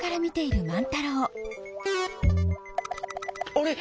あれ？